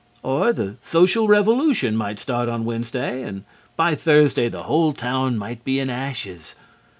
Or the social revolution might start on Wednesday, and by Thursday the whole town might be in ashes.